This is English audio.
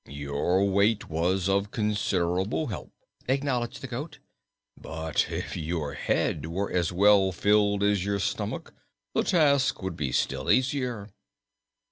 "Your weight was of considerable help," acknowledged the goat, "but if your head were as well filled as your stomach the task would be still easier."